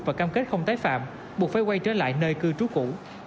và cam kết không tái phạm buộc phải quay trở lại nơi cư trú cũ